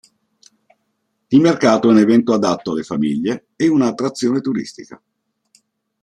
Il mercato è un evento adatto alle famiglie e una attrazione turistica.